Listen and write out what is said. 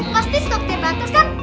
pasti stok terbatas kan